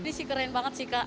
ini sih keren banget sih kak